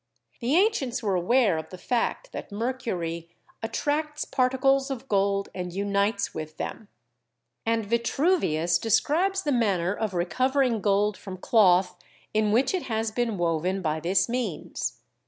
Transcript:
The ancients were aware of the fact that mercury "attracts particles of gold and unites with them," and Vitruvius describes the manner of recovering gold from cloth in which it has been woven by this means.